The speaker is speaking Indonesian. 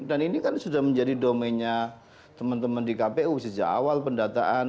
dan ini kan sudah menjadi domennya teman teman di kpu sejak awal pendataan